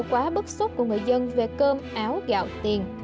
quá bức xúc của người dân về cơm áo gạo tiền